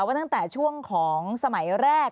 ว่าตั้งแต่ช่วงของสมัยแรก